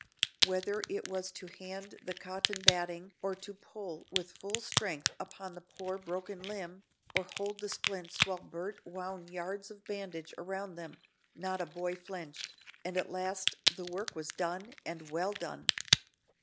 Whether it was to hand the cotton batting or to pull with full strength upon the poor broken limb, or hold the splints while Bert wound yards of bandage around them, not a boy flinched, and at last the work was done, and well done.